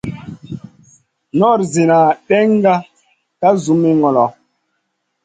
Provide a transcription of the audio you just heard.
Nor zina ɗènŋa ka zumi ŋolo.